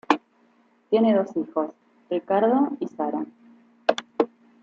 Tiene dos hijos, Ricardo y Sara.